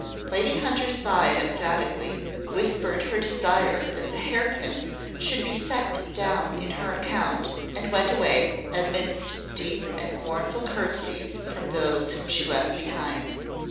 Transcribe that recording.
Lady Hunter sighed emphatically, whispered her desire that the hair pins should be set down in her account, and went away, amidst deep and mournful curtseys from those whom she left behind.